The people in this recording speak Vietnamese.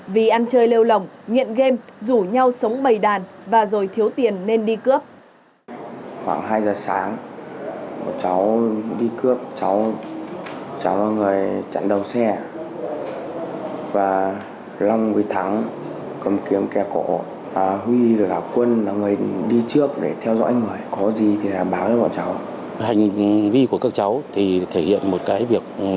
vì ăn chơi lêu lỏng nghiện game rủ nhau sống bầy đàn và rồi thiếu tiền nên đi cướp